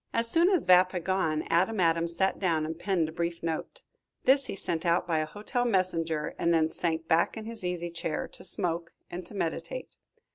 As soon as Vapp had gone, Adam Adams sat down and penned a brief note. This he sent out by a hotel messenger, and then sank back in his easy chair, to smoke and to meditate.